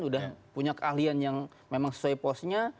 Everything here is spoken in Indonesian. sudah punya keahlian yang memang sesuai posnya